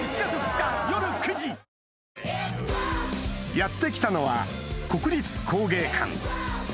やって来たのは国立工芸館